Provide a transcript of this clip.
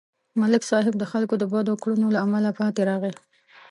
ملک صاحب د خلکو د بدو کړنو له امله پاتې راغی.